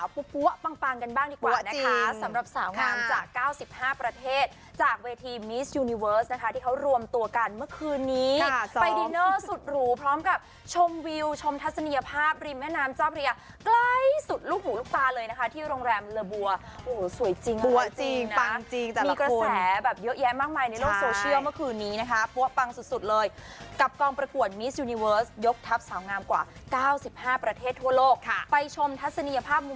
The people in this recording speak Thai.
ปั้งกันบ้างดีกว่านะคะสำหรับสาวงามจาก๙๕ประเทศจากเวทีมีสยูนิเวิร์สนะคะที่เขารวมตัวกันเมื่อคืนนี้ไปดินเนอร์สุดหรูพร้อมกับชมวิวชมทัศนียภาพริมแม่นามเจ้าบริยะใกล้สุดลูกหูลูกปลาเลยนะคะที่โรงแรมละบัวสวยจริงจริงปั้งจริงมีกระแสแบบเยอะแยะมากมายในโลกโซเชียลเมื่อคืนน